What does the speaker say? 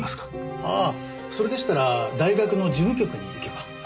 ああそれでしたら大学の事務局に行けば。